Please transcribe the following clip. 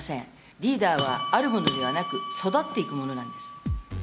リーダーはあるものではなく、育っていくものなんです。